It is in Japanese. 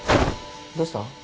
どうした？